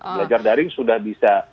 belajar daring sudah bisa